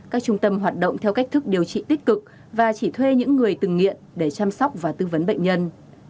các trung tâm hoạt động theo cách thức điều trị tích cực và chỉ thuê những người từng nghiện để chăm sóc và tư vấn bệnh nhân